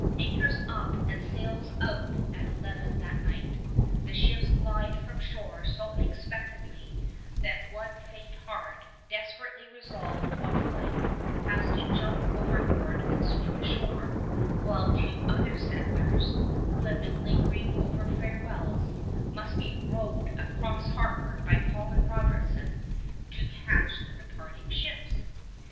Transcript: Anchors up and sails out at eleven that night, the ships glide from shore so unexpectedly that one faint heart, desperately resolved on flight, has to jump overboard and swim ashore, while two other settlers, who have been lingering over farewells, must be rowed across harbor by Colin Robertson to catch the departing ships.